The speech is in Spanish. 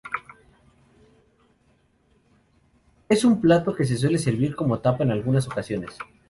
Es un plato que se suele servir como tapa en algunas ocasiones.